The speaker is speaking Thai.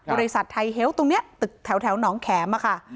บริษัทไทยเฮลต์ตรงนี้ตึกแถวหนองแขมอะค่ะ